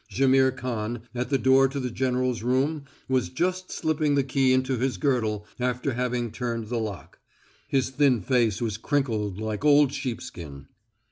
Jaimihr Khan, at the door to the general's room, was just slipping the key into his girdle, after having turned the lock. His thin face was crinkled like old sheepskin.